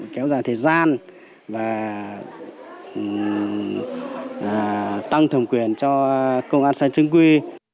tăng thời gian và tăng thẩm quyền cho công an xã chứng quy